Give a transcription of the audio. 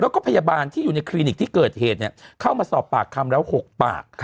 แล้วก็พยาบาลที่อยู่ในคลินิกที่เกิดเหตุเข้ามาสอบปากคำแล้ว๖ปาก